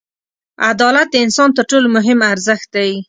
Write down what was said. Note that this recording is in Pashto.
• عدالت د انسان تر ټولو مهم ارزښت دی.